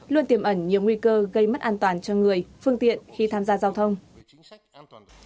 luôn tiềm ẩn nhiều nguy cơ gây mất an toàn cho người phương tiện khi tham gia giao thông